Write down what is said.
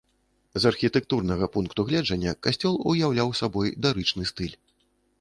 З архітэктурнага пункту гледжання касцёл уяўляў сабой дарычны стыль.